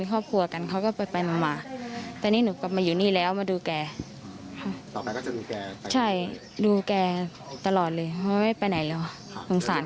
ครอบครัวเขาให้อย่างนี้เหมือนว่าจ้างดูแลล้อล้อยอย่างนี้